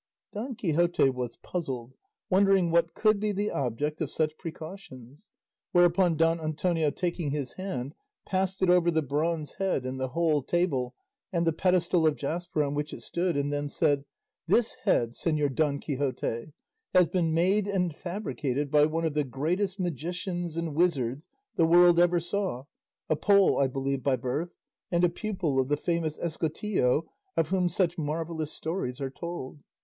Don Quixote was puzzled, wondering what could be the object of such precautions; whereupon Don Antonio taking his hand passed it over the bronze head and the whole table and the pedestal of jasper on which it stood, and then said, "This head, Señor Don Quixote, has been made and fabricated by one of the greatest magicians and wizards the world ever saw, a Pole, I believe, by birth, and a pupil of the famous Escotillo of whom such marvellous stories are told.